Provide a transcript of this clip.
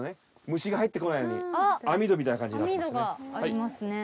虫が入ってこないように網戸みたいな感じになってますね。